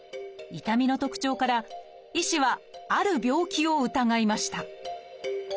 痛みの特徴から医師はある病気を疑いました。